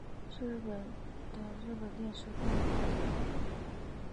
是日本的日本电视动画的作品。